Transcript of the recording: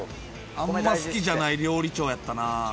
あんま好きじゃない料理長やったな。